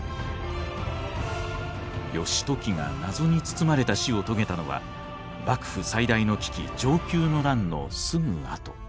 義時が謎に包まれた死を遂げたのは幕府最大の危機承久の乱のすぐあと。